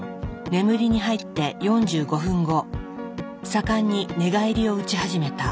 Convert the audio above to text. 眠りに入って４５分後盛んに寝返りをうち始めた。